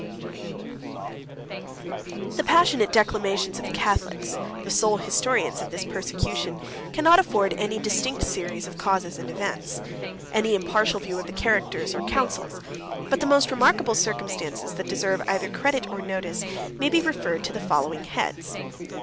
] The passionate declamations of the Catholics, the sole historians of this persecution, cannot afford any distinct series of causes and events; any impartial view of the characters, or counsels; but the most remarkable circumstances that deserve either credit or notice, may be referred to the following heads; I.